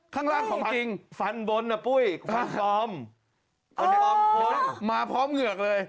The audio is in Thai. ข้างล่างของฟันบนอ่ะปุ้ยฟันปลอมอ๋อมาพร้อมเหงือกเลย